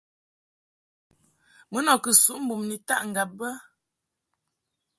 Mun ɔ kɨ suʼ mbum ni taʼ ŋgab be.